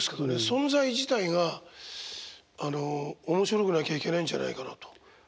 存在自体があの面白くなきゃいけないんじゃないかなと。